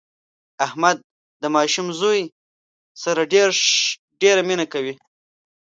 احمد د ماشوم زوی سره ډېره مینه کوي.